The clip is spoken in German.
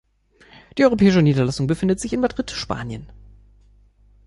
Die europäische Niederlassung befindet sich in Madrid, Spanien.